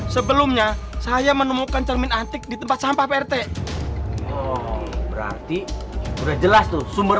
sebelumnya saya menemukan cermin antik ditempak sampah vertek r empati worked jelas tuh sumber